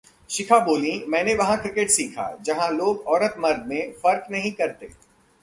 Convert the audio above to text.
शिखा बोलीं- मैंने वहां क्रिकेट सीखा, जहां लोग औरत-मर्द में फर्क नहीं करते